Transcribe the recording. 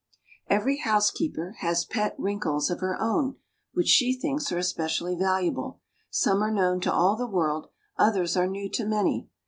EVERY housekeeper has pet "wrinkles" of her own which she thinks are especially valuable; some are known to all the world, others are new to many.